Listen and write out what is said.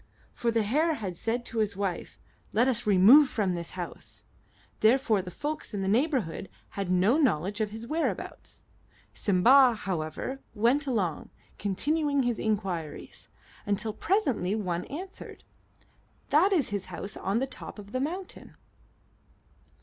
For the hare had said to his wife, "Let us remove from this house." Therefore the folks in that neighborhood had no knowledge of his whereabouts. Simba, however, went along, continuing his inquiries, until presently one answered, "That is his house on the top of the mountain."